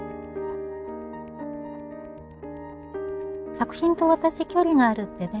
作品と私距離があるってね